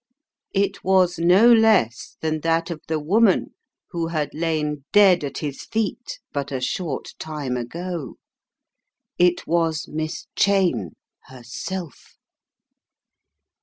It was no less than that of the woman who had lain dead at his feet but a short time ago. It was Miss Cheyne herself!